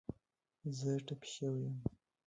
زه ټپې شوی یم